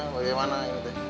bagaimana ini tuh